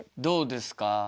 どうですか？